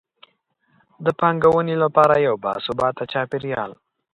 د پانګونې لپاره یو باثباته چاپیریال.